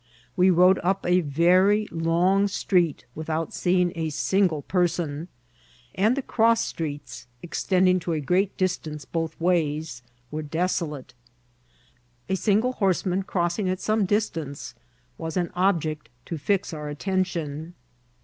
We rode up a very long street without seeing a single per son, and the cross streets, extending to a great distance ▲ K UNXXPXCTXD MIXTINQ. • 968 both waya, were desolate. A single horseman crossing at some distance was an object to fix our attention.